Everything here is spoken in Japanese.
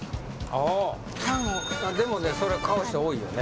でもねそれ買う人多いよね。